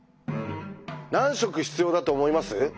何色必要だと思います？